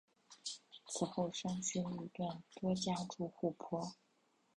此后山区路段多加筑护坡。